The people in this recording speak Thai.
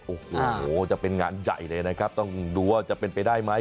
โอ้โหจะเป็นงานใหญ่เลยนะครับต้องดูว่าจะเป็นไปได้ไหม